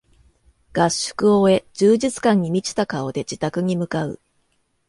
合宿を終え充実感に満ちた顔で自宅に向かう